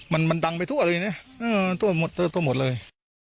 มันมันดังไปทั่วเลยนะมันทั่วหมดทั่วหมดเลย